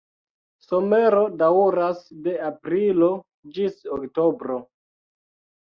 Somero daŭras de aprilo ĝis oktobro.